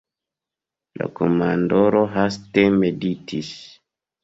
La komandoro haste meditis.